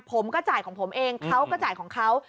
ผมก็จ่ายของผมเองเขาก็จ่ายของเขา